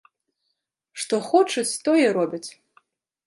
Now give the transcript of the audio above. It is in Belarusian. Што хочуць, тое і робяць.